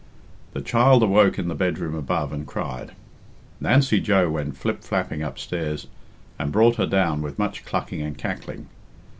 The child awoke in the bedroom above and cried. Nancy Joe went flip flapping upstairs, and brought her down with much clucking and cackling.